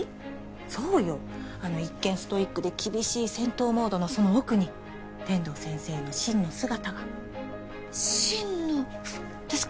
そうよあの一見ストイックで厳しい戦闘モードのその奥に天堂先生の真の姿が真のですか？